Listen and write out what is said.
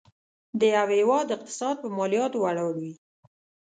د یو هيواد اقتصاد په مالياتو ولاړ وي.